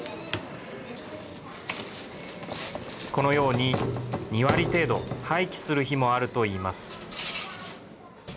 このように２割程度廃棄する日もあるといいます。